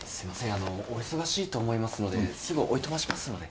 あのお忙しいと思いますのですぐおいとましますので。